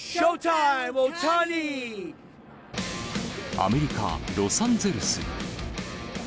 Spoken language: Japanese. アメリカ・ロサンゼルス。